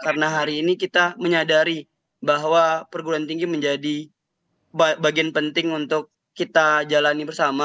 karena hari ini kita menyadari bahwa perguruan tinggi menjadi bagian penting untuk kita jalani bersama